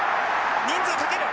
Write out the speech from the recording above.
人数かける。